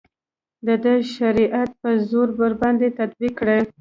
د ده شریعت په زور ورباندې تطبیق کړي.